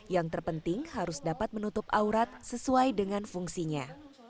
yang terpenting harus dapat menutup aurat sesuai dengan fungsinya